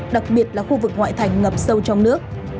đặc biệt là khu vực ngoại thành ngập sâu trong nước